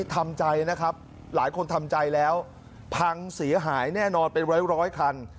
ทำใจนะครับหลายคนทำใจแล้วพังเสียหายแน่นอนเป็นร้อยร้อยคัน